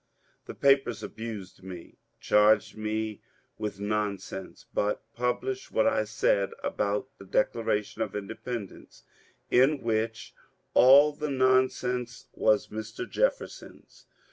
The papers abused me, charged me with nonsense, but pub lished what I said about the Declaration of Independence, in which all the nonsense was Mr. Jefferson's.